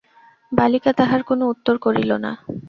বালিকা তাহার কোনো উত্তর করিল না।